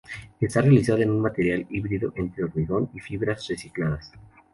Está realizada en un material híbrido entre hormigón y fibras recicladas.